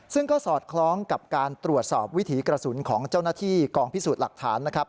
ซึ่งก็สอดคล้องกับการตรวจสอบวิถีกระสุนของเจ้าหน้าที่กองพิสูจน์หลักฐานนะครับ